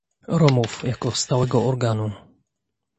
Romów jako stałego organu